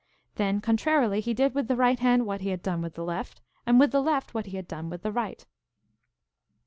Then contrarily he did with the right hand what he had done with the left, and with the left what he had done with the right.